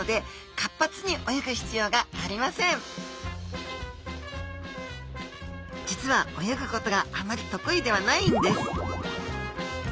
実は泳ぐことがあまり得意ではないんです